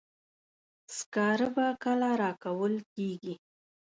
سکاره به کله راکول کیږي.